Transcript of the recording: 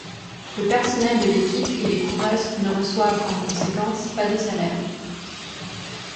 Le personnel de l'équipe et les coureuses ne reçoivent en conséquence pas de salaire.